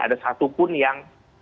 ada satupun yang